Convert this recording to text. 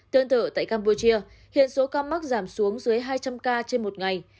tương tự tại campuchia hiện số ca mắc giảm xuống dưới hai trăm linh ca trên một ngày